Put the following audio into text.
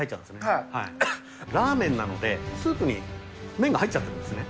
ラーメンなので、スープに麺が入っちゃってるんですね。